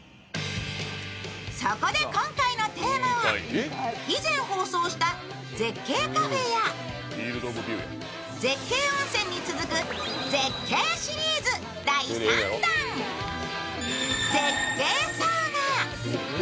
そこで今回のテーマは以前放送した絶景カフェや絶景温泉に続く、絶景シリーズ第３弾、絶景サウナ。